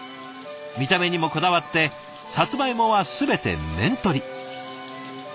見た目にもこだわってさつまいもは全て面取り。